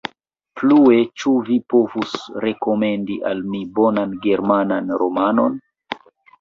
Plue, ĉu vi povus rekomendi al mi bonan germanan romanon?